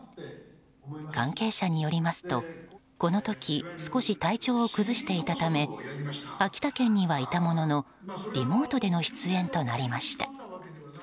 関係者によりますとこの時少し体調を崩していたため秋田県にはいたもののリモートでの出演となりました。